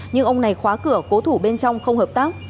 nhưng ông này khóa cửa cố thủ bên trong không hợp tác